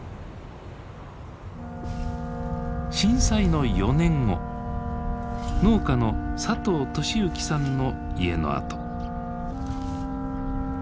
震災の４年後農家の佐藤利幸さんの家の跡。